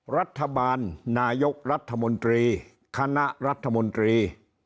รัฐบาลนายกรัฐมนตรีคณะรัฐมนตรี